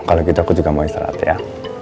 kalau gitu aku juga mau istirahat ya